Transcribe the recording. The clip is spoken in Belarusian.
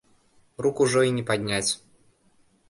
Рук ужо і не падняць.